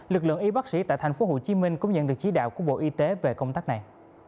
lực lượng y bác sĩ tại tp hcm cũng nhận được chỉ đạo của bộ y tế về công tác này